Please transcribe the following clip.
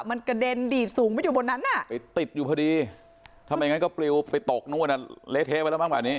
มันกระเด็นดีดสูงไปอยู่บนนั้นน่ะไปติดอยู่พอดีทำไมอย่างงั้นก็ปลิวไปตกนู่นน่ะ